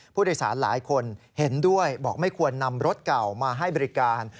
ผู้โดยสารหลายคนเห็นด้วยบอกไม่ควรนำรถเก่ามาให้บริการ